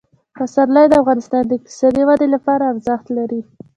پسرلی د افغانستان د اقتصادي ودې لپاره ارزښت لري.